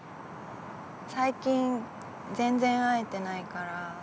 最近全然会えてないから。